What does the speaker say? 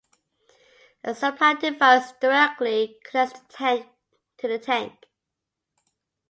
A supply device directly connects the tank to the tank.